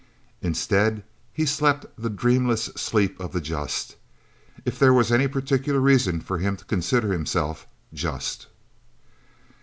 Instead, he slept the dreamless sleep of the just if there was any particular reason for him to consider himself just.